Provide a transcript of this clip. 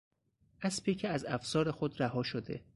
اسبی که از افسار خود رها شده